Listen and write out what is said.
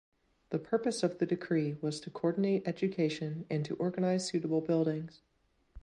The purpose of the decree was to coordinate education and to organize suitable buildings.